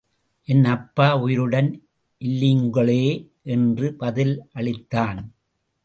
என் அப்பா உயிருடன் இல்லிங்களே! என்று பதிலளித்தான்.